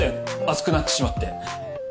熱くなってしまって。